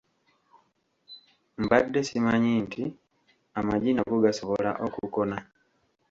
Mbadde simanyi nti amagi nago gasobola okukona.